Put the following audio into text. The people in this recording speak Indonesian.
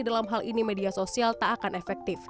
dalam hal ini media sosial tak akan efektif